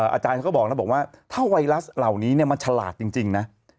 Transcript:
อาจารย์เขาก็บอกนะบอกว่าถ้าไวรัสเหล่านี้มันฉลาดจริงนะ